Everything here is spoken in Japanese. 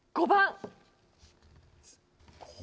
５番？